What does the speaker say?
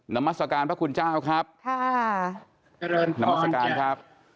น้ำมัสการพระคุณเจ้าครับน้ำมัสการครับ